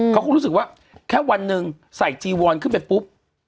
เขาก็รู้สึกว่าแค่วันหนึ่งใส่จีวอนขึ้นไปปุ๊บ